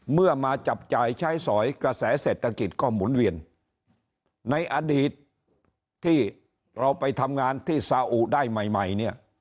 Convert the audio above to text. เมื่อมาจับจ่ายใช้สอยกระแสเศรษฐกิจก็หมุนเวียนในอดีตที่เราไปทำงานที่สาอุได้ใหม่ใหม่เนี่ย